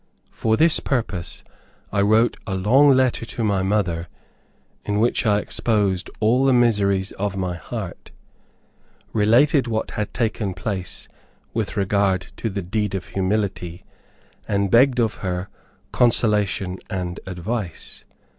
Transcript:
For this purpose I wrote a long letter to my mother, in which I exposed all the miseries of my heart, related what had taken place with regard to the "deed of humility," and begged of her consolation and advice.